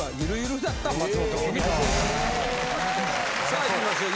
さあいきましょう。